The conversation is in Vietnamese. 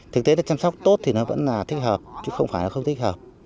thực tế là chăm sóc tốt thì nó vẫn là thích hợp chứ không phải là không thích hợp